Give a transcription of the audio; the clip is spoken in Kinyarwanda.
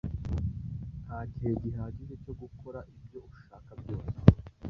Nta gihe gihagije cyo gukora ibyo ushaka byose.